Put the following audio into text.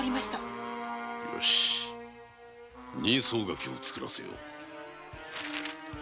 よし人相書きを作らせよう。